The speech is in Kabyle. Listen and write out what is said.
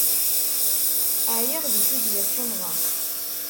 Ɛyiɣ di tuzzya d tunnḍa.